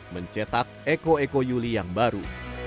mencetak eko eko yuli yang baru